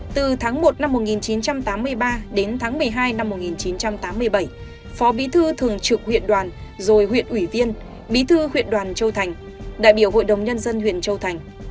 từ tháng một năm một nghìn chín trăm tám mươi ba đến tháng một mươi hai năm một nghìn chín trăm tám mươi bảy phó bí thư thường trực huyện đoàn rồi huyện ủy viên bí thư huyện đoàn châu thành đại biểu hội đồng nhân dân huyện châu thành